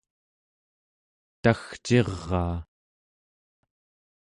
tagciraa